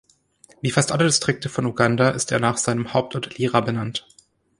Wie fast alle Distrikte von Uganda ist er nach seinem Hauptort Lira benannt.